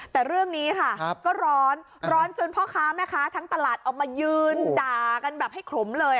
แต่เรื่องนี้ค่ะก็ร้อนร้อนจนพ่อค้าแม่ค้าทั้งตลาดออกมายืนด่ากันแบบให้ขลมเลย